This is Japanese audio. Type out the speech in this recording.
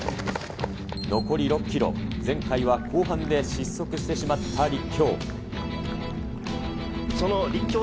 残り６キロ、前回は後半で失速してしまった立教。